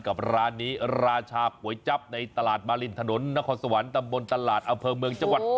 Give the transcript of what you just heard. กับร้านนี้ราชาก๋วยจับในตลาดมารินถนนนครสวรรค์ตำบลตลาดอำเภอเมืองจังหวัด